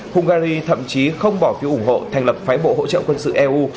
hungary thậm chí không bỏ phiếu ủng hộ thành lập phái bộ hỗ trợ quân sự eu